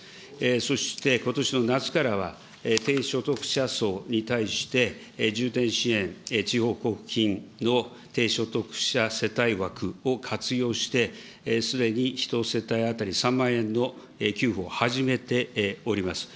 そしてことしの夏からは低所得者層に対して、重点支援地方交付金の低所得者世帯枠を活用して、すでに１世帯当たり３万円の給付を始めております。